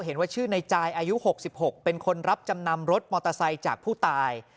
เห็นว่าชื่อในจายอายุ๖๖เป็นคนรับจำนำรถมอเตอร์ไซค์จากผู้ตาย